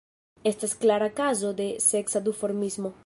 Estas klara kazo de seksa duformismo.